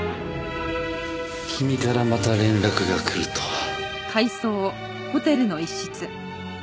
君からまた連絡がくるとは。